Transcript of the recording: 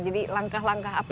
jadi langkah langkah apa